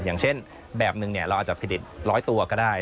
อย่างเช่นแบบหนึ่งเราอาจจะผลิต๑๐๐ตัวก็ได้